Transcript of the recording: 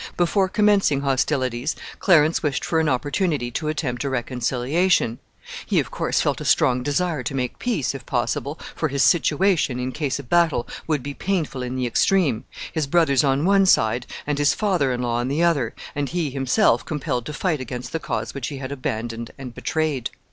Before commencing hostilities, Clarence wished for an opportunity to attempt a reconciliation; he, of course, felt a strong desire to make peace, if possible, for his situation, in case of battle, would be painful in the extreme his brothers on one side, and his father in law on the other, and he himself compelled to fight against the cause which he had abandoned and betrayed.